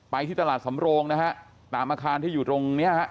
ที่ตลาดสำโรงนะฮะตามอาคารที่อยู่ตรงเนี้ยฮะ